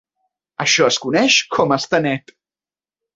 Això es coneix com estar "net".